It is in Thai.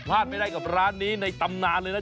พลาดไม่ได้กับร้านนี้ในตำนานเลยนะ